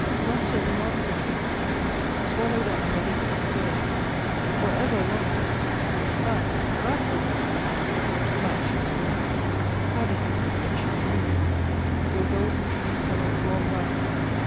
Lost her beyond retrieving swallowed up by the greedy grave for ever lost her that, that's the thing matchless woman, how does this reflection wound me! 'Your golden dream cannot long last.'